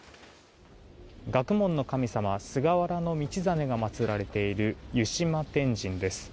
学問の神様菅原道真が祭られている湯島天神です。